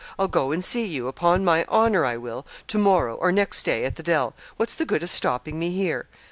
I'll go and see you upon my honour I will to morrow, or next day, at the Dell; what's the good of stopping me here?'